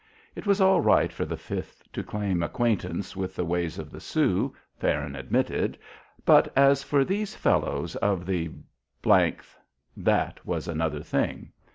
It was all right for the Fifth to claim acquaintance with the ways of the Sioux, Farron admitted, but as for these fellows of the th, that was another thing.